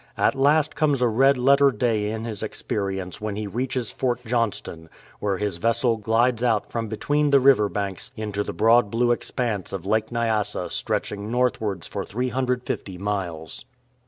At last comes a red letter day in his experience when he reaches Fort Johnston, where his vessel glides out from between the river banks into the broad blue expanse of Lake Nyasa stretching northwards for 350 miles.